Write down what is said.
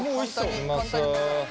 うまそう。